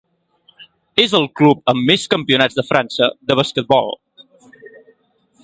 És el club amb més campionats de França de basquetbol.